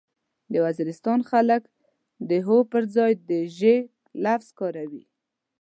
د وزيرستان خلک د هو پرځای د ژې لفظ کاروي.